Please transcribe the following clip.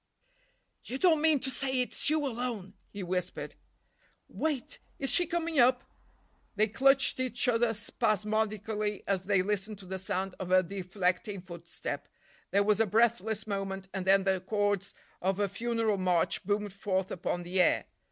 "You don't mean to say it's you—alone!" he whispered. "Wait—is she coming up?" They clutched each other spasmodically as they listened to the sound of a deflecting footstep. There was a breathless moment, and then the chords of a funeral march boomed forth upon the air.